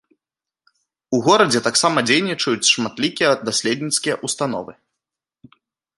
У горадзе таксама дзейнічаюць шматлікія даследніцкія ўстановы.